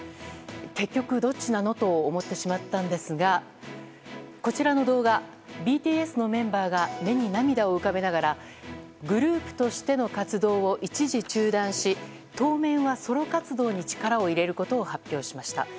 結局どっちなのと思ってしまったんですがこちらの動画ＢＴＳのメンバーが目に涙を浮かべながらグループとしての活動を一時中断し当面はソロ活動に力を入れることを発表しました。